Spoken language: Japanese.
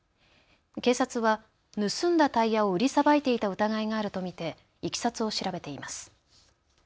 警察は盗んだタイヤを売りさばいていた疑いがあると見ていきさつを調べています。